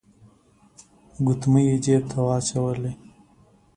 ګوتمۍ يې جيب ته واچولې.